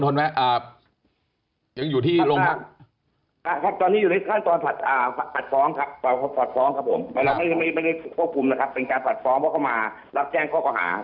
ครับครับผมตอนนี้อยู่ในระหว่างขั้นตอนในการสวดของทางการแพทย์นะครับ